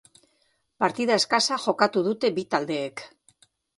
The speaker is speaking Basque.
Partida eskasa jokatu dute bi taldeek.